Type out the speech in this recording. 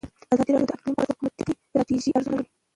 ازادي راډیو د اقلیم په اړه د حکومتي ستراتیژۍ ارزونه کړې.